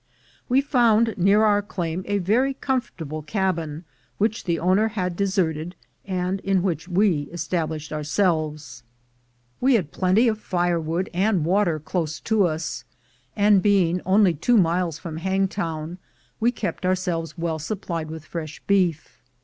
We found near our claim a very comfortable cabin, which the owner had deserted, and in which we established ourselves. We had plenty of fire 128 THE GOLD HUNTERS wood and water close to us, and being only two miles from Hangtown, we kept ourselves well sup plied with fresh beef.